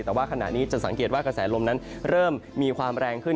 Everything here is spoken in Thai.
แต่ว่าขณะนี้จะสังเกตว่ากระแสลมนั้นเริ่มมีความแรงขึ้น